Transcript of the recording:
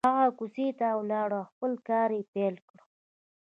هغه کوڅې ته ولاړ او خپل کار يې پيل کړ.